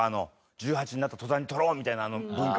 １８になった途端に取ろうみたいなあの文化は。